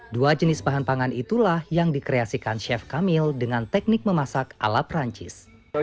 dua jenis bahan pangan itulah yang dikreasikan chef kamil dengan teknik memasak ala perancis